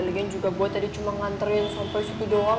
lagian juga boy tadi cuma ngantarin sampai situ doang